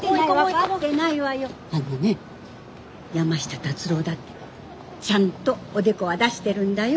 あのね山下達郎だってちゃんとおでこは出してるんだよ。